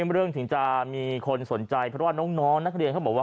เรื่องถึงจะมีคนสนใจเพราะว่าน้องนักเรียนเขาบอกว่า